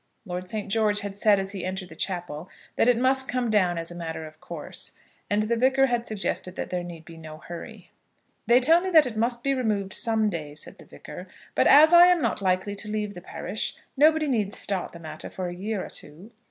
Lord St. George had said as he entered the chapel, that it must come down as a matter of course; and the Vicar had suggested that there need be no hurry. "They tell me that it must be removed some day," said the Vicar, "but as I am not likely to leave the parish, nobody need start the matter for a year or two."